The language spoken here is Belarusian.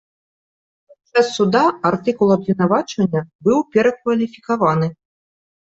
Падчас суда артыкул абвінавачвання быў перакваліфікаваны.